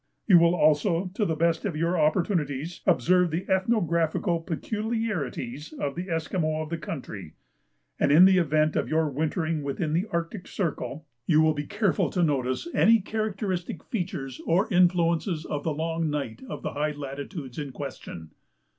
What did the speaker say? You will also, to the best of your opportunities, observe the ethnographical peculiarities of the Esquimaux of the country; and in the event of your wintering within the Arctic Circle, you will be careful to notice any characteristic features or influences of the long night of the high latitudes in question.